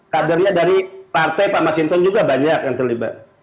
kadernya dari partai pak mas hinton juga banyak yang terlibat